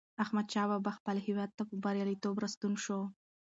احمدشاه بابا خپل هېواد ته په بریالیتوب راستون شو.